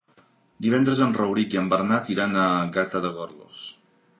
Divendres en Rauric i en Bernat iran a Gata de Gorgos.